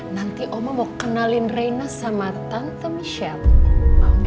nanti oma mau kenalin rena sama tante michelle